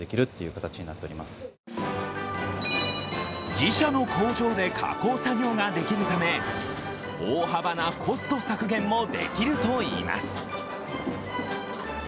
自社の工場で加工作業ができるため、大幅なコスト削減もできるといいます。